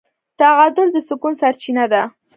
تعادل د سکون سرچینه ده.